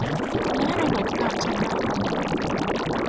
และระบบการชำระเงิน